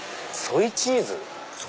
ソイチーズ？